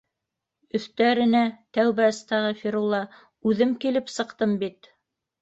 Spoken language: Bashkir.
Өҫтәренә, тәүбә әстәғәфирулла, үҙем килеп сыҡтым бит!